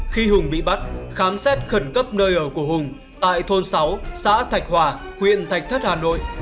khi hùng bị bắt khám xét khẩn cấp nơi ở của hùng tại thôn sáu xã thạch hòa huyện thạch thất hà nội